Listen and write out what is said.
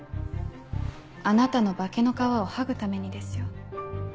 あなたの化けの皮を剥ぐためにですよ。